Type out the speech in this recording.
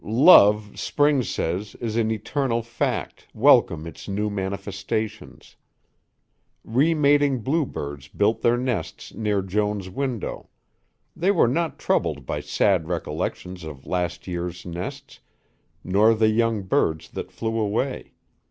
Love, spring says, is an eternal fact, welcome its new manifestations. Remating bluebirds built their nests near Joan's window; they were not troubled by sad recollections of last year's nests nor the young birds that flew away.